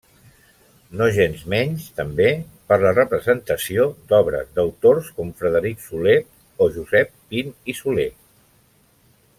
Nogensmenys, també per la representació d'obres d'autors com Frederic Soler o Josep Pin i Soler.